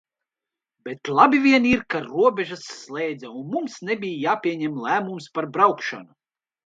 Bet labi vien ir, ka robežas slēdza un mums nebija jāpieņem lēmums par braukšanu.